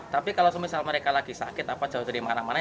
tapi kalau semisal mereka lagi sakit apa jauh dari mana mana